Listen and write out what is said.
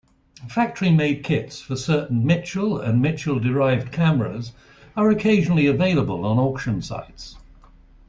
Factory-made kits for certain Mitchell and Mitchell-derived cameras are occasionally available on auction sites.